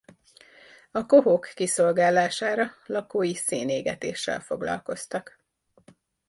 A kohók kiszolgálására lakói szénégetéssel foglalkoztak.